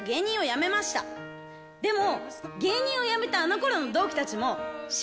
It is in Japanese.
でも。